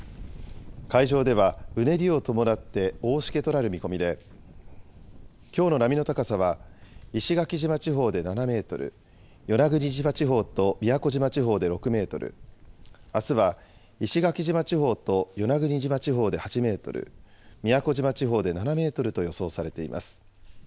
海上ではうねりを伴って大しけとなる見込みで、きょうの波の高さは石垣島地方で７メートル、与那国島地方と宮古島地方で６メートル、あすは石垣島地方と与那国島地方で８メートル、宮古島地方で７メートルと予想されています。